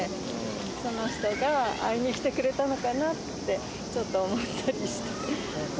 その人が会いに来てくれたのかなって、ちょっと思ったりして。